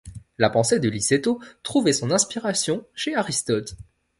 La pensée de Liceto trouvait son inspiration chez Aristote.